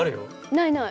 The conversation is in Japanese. ないない。